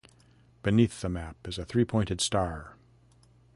Beneath the map is a three-pointed star.